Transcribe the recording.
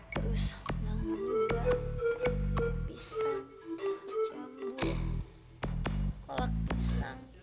terus melambung daun pisang jambul kolak pisang